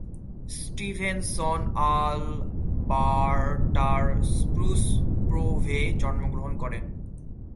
Stevenson আলবার্টার Spruce গ্রোভে জন্মগ্রহণ করেন।